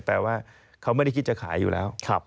แต่ว่าเขาไม่ได้คิดจะขายอยู่แล้ว